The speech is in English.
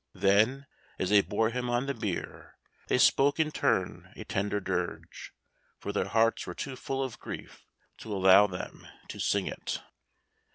Then, as they bore him on the bier, they spoke in turn a tender dirge, for their hearts were too full of grief to allow them to sing it.